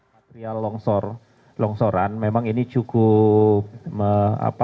material longsor longsoran memang ini cukup